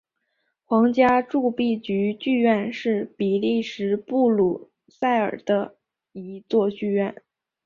皇家铸币局剧院是比利时布鲁塞尔的一座剧院。